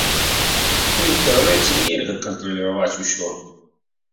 У інтэрнэце нельга кантраляваць усё.